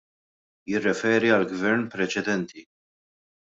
Jirreferi għall-Gvern preċedenti.